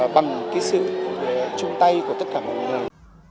bằng sự chung tay của tất cả mọi người